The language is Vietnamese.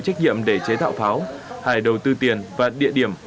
trách nhiệm để chế tạo pháo hải đầu tư tiền và địa điểm